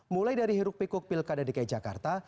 mulai dari hiruk pikuk pilkada dki jakarta